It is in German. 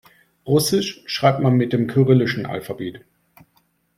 Russisch schreibt man mit dem kyrillischen Alphabet.